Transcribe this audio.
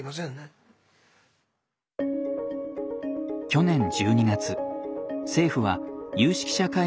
去年１２月政府は有識者会議を立ち上げ